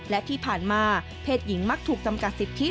และที่ผ่านมาเพศหญิงมักถูกจำกัดสิทธิ